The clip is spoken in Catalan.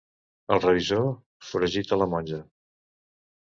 El revisor foragita la monja.